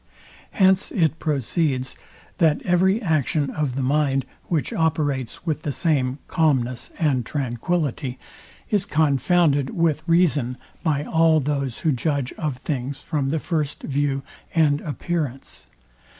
Hence it proceeds, that every action of the mind, which operates with the same calmness and tranquillity, is confounded with reason by all those, who judge of things from the first view and appearance.